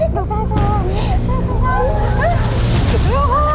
เป็นไงลูก